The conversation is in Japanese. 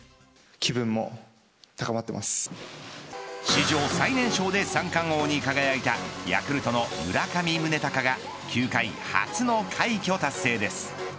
史上最年少で三冠王に輝いたヤクルトの村上宗隆が球界初の快挙達成です。